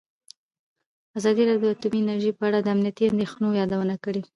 ازادي راډیو د اټومي انرژي په اړه د امنیتي اندېښنو یادونه کړې.